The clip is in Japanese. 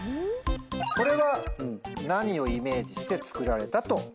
これは何をイメージして作られたと。